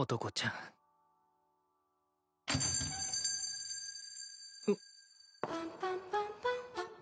んっ！